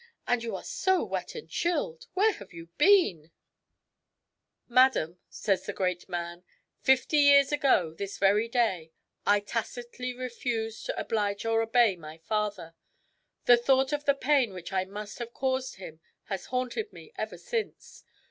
And you are so wet and chilled ! Where have you been ?"" Madam," says the great man, " fifty years ago, this very day, I tacitly refused to oblige or obey my father. The thought of the pain which I must have caused him has haunted me ever since.